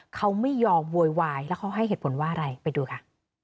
เขาไม่ยอมโวยวายแล้วเขาให้เหตุผลว่าอะไรไปดูค่ะ